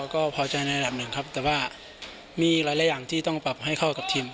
ก็พอใจในระดับหนึ่งครับแต่ว่ามีหลายอย่างที่ต้องปรับให้เข้ากับทีม